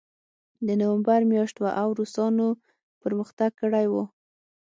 د نومبر میاشت وه او روسانو پرمختګ کړی و